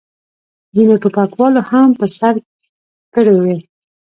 ځینو ټوپکوالو هم په سر کړې وې.